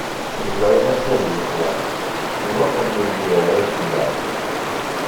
Belɛid amjahed yeqwan, Ḍurqen-t deg udrar At Sellam.